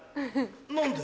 何で？